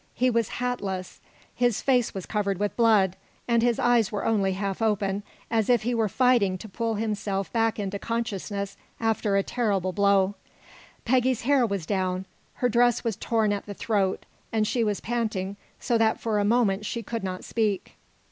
He was hatless; his face was covered with blood, and his eyes were only half open, as if he were fighting to pull himself back into consciousness after a terrible blow. Peggy's hair was down, her dress was torn at the throat, and she was panting so that for a moment she could not speak.